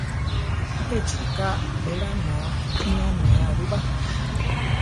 Échi ríka belána mi anéa ru ba.